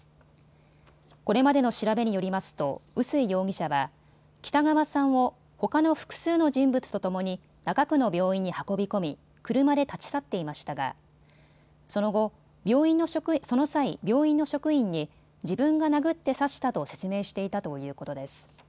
これまでの調べによりますと臼井容疑者は北川さんをほかの複数の人物とともに中区の病院に運び込み車で立ち去っていましたがその際、病院の職員に自分が殴って刺したと説明していたということです。